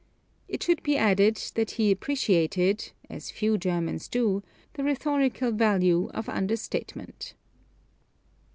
It should be added that he appreciated as few Germans do the rhetorical value of understatement.